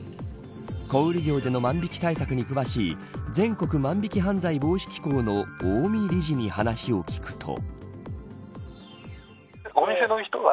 小売業での万引対策に詳しい全国万引犯罪防止機構の近江理事に話を聞くと。